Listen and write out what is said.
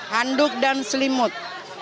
handuk dan selimut